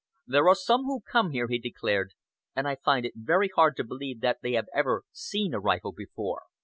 "There are some who come here," he declared, "and I find it very hard to believe that they have ever seen a rifle before.